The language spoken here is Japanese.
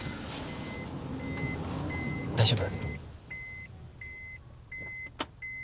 大丈夫？